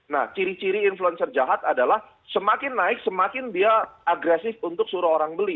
nah ciri ciri influencer jahat adalah semakin naik semakin dia agresif untuk suruh orang beli